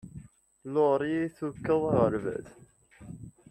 Laurie tukeḍ aɣerbaz.